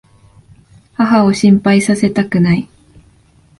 母を心配させたくない。